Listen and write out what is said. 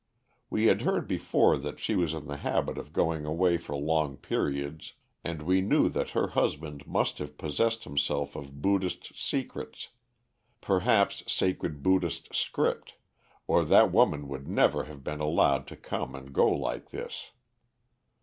We had heard before that she was in the habit of going away for long periods, and we knew that her husband must have possessed himself of Buddhist secrets, perhaps sacred Buddhist script, or that woman would never have been allowed to come and go like this.